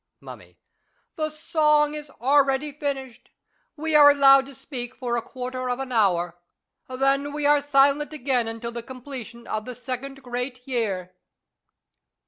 Mummy. The song is already finished. We are allowed to speak for a quarter of an hour. Then we are silent again until the completion of the second great year.